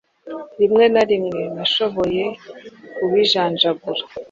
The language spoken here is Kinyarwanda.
Rimwe na rimwe nashoboye kubijanjagura